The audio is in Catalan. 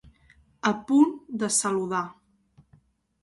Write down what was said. A punt de saludar.